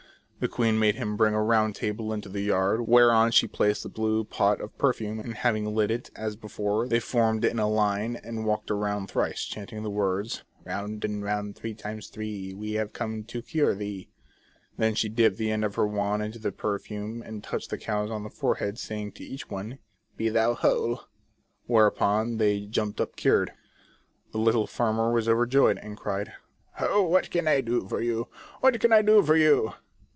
The queen made him bring a round table into the yard, whereon she placed the blue pot of perfume, and having lit it, as before, they formed in line and walked round thrice, chanting the words : The Fairies of Caragonan. 5 " Round and round three times three, We have come to cure thee" Then she dipped the end of her wand into the perfume, and touched the cows on the forehead, say ing to each one :" Be thou whole." Whereupon they jumped up cured. The little farmer was overjoyed, and cried :" Oh, what can I do for you ? What can I do for you